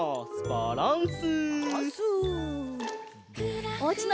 バランス！